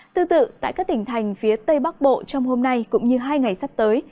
tương tự tại các tỉnh thành phía tây bắc bộ trong hôm nay cũng như hai ngày sắp tới